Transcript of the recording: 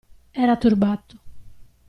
Era turbato.